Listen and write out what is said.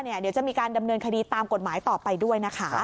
เดี๋ยวจะมีการดำเนินคดีตามกฎหมายต่อไปด้วยนะคะ